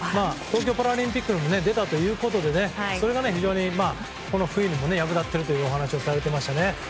東京パラリンピックにも出たということでそれが非常にこの冬にも役立っているというお話をされていましたね。